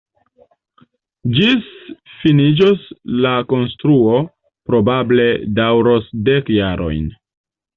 Ĝis finiĝo la konstruo probable daŭros dek jarojn.